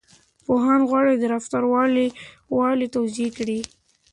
پوهان غواړي د رفتار ورته والی توضيح کړي.